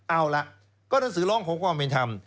เอาล่ะก็หนังสือร้องขอความเป็นธรรม